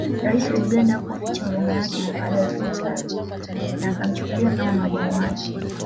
Rais wa Uganda hakuficha huruma yake kwa Adolf Hitler na akamchukulia kama mwalimu wake